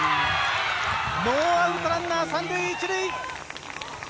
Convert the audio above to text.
ノーアウト、ランナー３塁１塁。